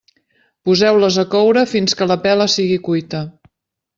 Poseu-les a coure fins que la pela sigui cuita.